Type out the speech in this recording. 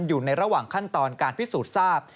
อยู่ในระหว่างขั้นตอนการพิสูจน์ทราบ